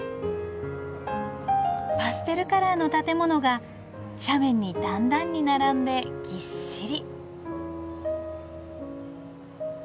パステルカラーの建物が斜面に段々に並んでぎっしり。